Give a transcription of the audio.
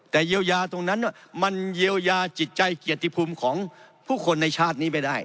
แต่เยียวยาตรงนั้นมันเยียวยาจิตใจเกียรติภูมิของผู้คนในชาตินี้ไม่ได้